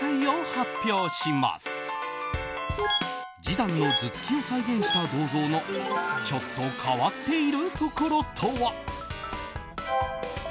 ジダンの頭突きを再現した銅像のちょっと変わっているところとは。